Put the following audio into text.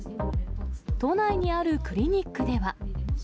都内にあるクリニックでは。